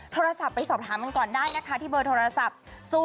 โทรศัพท์ไปสอบถามก่อนได้นะคะที่เบอร์โทรศัพท์๐๘๖๑๒๑๗๕๒๙